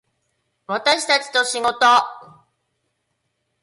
私たちと仕事